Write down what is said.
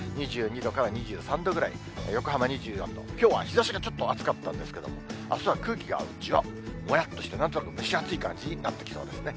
２２度から２３度ぐらい、横浜２４度、きょうは日ざしがちょっと暑かったんですけれども、あすは空気が、じわっ、もやっとして、なんとなく蒸し暑い感じになってきそうですね。